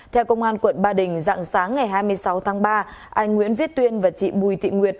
theo công an quận ba đình dạng sáng ngày hai mươi sáu tháng ba anh nguyễn viết tuyên và chị bùi thị nguyệt